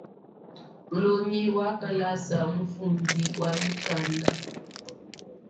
Mulongi wa kalasa mufundi wa mikanda.